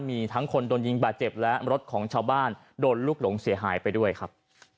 มีทั้งคนโดนยิงบาดเจ็บและรถของชาวบ้านโดนลูกหลงเสียหายไปด้วยครับ